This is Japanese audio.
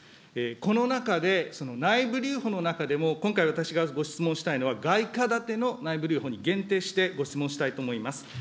この中で、その内部留保の中でも、今回、私がご質問したいのは、外貨建ての内部留保に限定してご質問したいと思います。